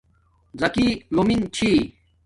زکی لومِن چھی